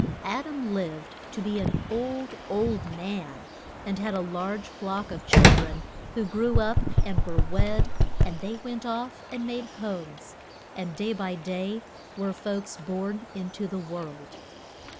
Ad am lived to be an old, old man, and had a large flock of chil dren, who grew up and were wed, and they went off and made homes, and day by day were folks born in to the world.